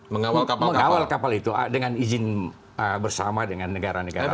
mengawal kapal itu dengan izin bersama dengan negara negara lain